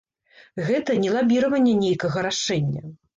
Гэта не лабіраванне нейкага рашэння.